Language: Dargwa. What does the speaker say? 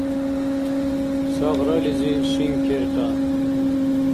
Сагърализи шин кертӀа.